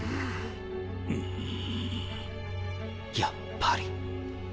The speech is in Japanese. やっぱり。